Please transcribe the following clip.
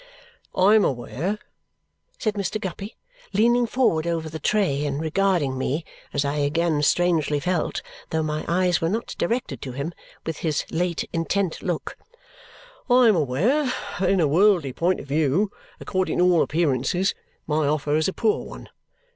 "I am aware," said Mr. Guppy, leaning forward over the tray and regarding me, as I again strangely felt, though my eyes were not directed to him, with his late intent look, "I am aware that in a worldly point of view, according to all appearances, my offer is a poor one.